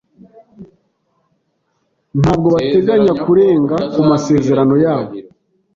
Ntabwo bateganya kurenga ku masezerano yabo.